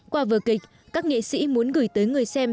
qua vở kịch các nghệ sĩ muốn gửi tới người xem